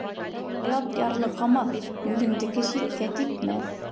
Ят ярлыҡамаҫ, үҙендеке ситкә типмәҫ.